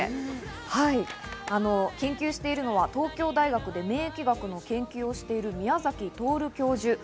研究しているのは東京大学で免疫学の研究をしている宮崎徹教授です。